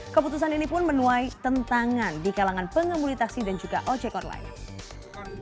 keputusan ini pun menuai tentangan di kalangan pengemudi taksi dan juga ojek online